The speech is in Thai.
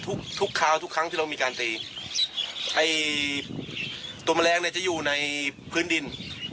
ทุกทุกคราวทุกครั้งที่เรามีการตีไอ้ตัวแมลงเนี่ยจะอยู่ในพื้นดิน